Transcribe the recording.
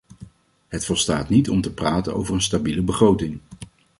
Het volstaat niet om te praten over een stabiele begroting.